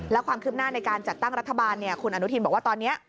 แล้วความคืบหน้าในการจัดตั้งรัฐบาลคุณอนุทินบอกว่าตอนนี้